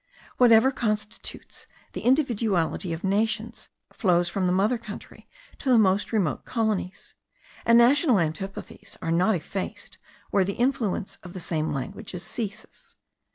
Whatever constitutes the individuality of nations flows from the mother country to the most remote colonies; and national antipathies are not effaced where the influence of the same languages ceases.